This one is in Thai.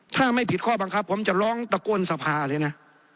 ถ้าไม่ผิดข้อบังคับผมจะร้องตะโกนสภาเลยนะ